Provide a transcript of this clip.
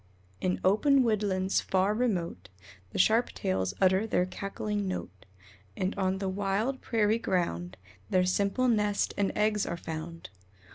In open woodlands far remote The Sharp tails utter their cackling note, And on the wild prairie ground Their simple nest and eggs are found.